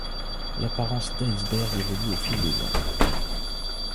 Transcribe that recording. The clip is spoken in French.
L'apparence d’Iceberg évolue au fil des ans.